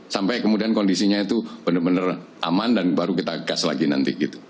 sampai kemudian kondisinya itu benar benar aman dan baru kita gas lagi nanti gitu